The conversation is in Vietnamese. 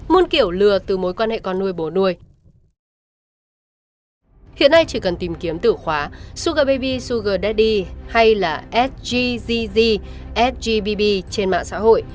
hiện nay chỉ cần tìm kiếm tử khóa sugar baby sugar daddy hay là sgzz sgbb trên mạng xã hội